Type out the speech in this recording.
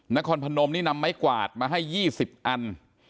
นครพนมนี่นำไม้กวาดมาให้๒๐อัน